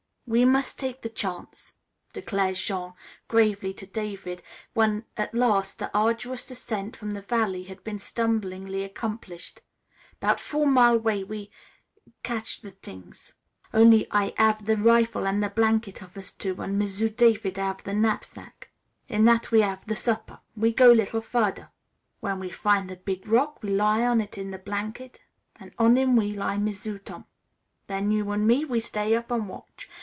"We mus' tak' the chance," declared Jean gravely to David, when at last the arduous ascent from the valley had been stumblingly accomplished. "'Bout four mile 'way we caché the t'ings. Only I hav' the rifle an' the blanket of us two, an' M'sieu' David hav' the knapsack. In that we hav' the supper. We go little furder. W'en we fin' the big rock, we lie on it the blanket, an' on him we lie M'sieu' Tom. Then, you an' me, we stay up an' watch.